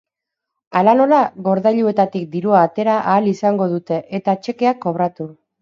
Hala nola, gordailuetatik dirua atera ahal izango dute eta txekeak kobratu.